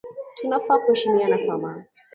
Tunafaa kuheshimiana sana